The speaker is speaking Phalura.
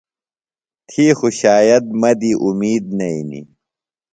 تھی خو شاید مہ دی اُمید نئینی۔